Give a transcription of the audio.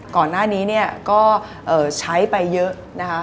ก่อนหน้านี้เนี่ยก็ใช้ไปเยอะนะคะ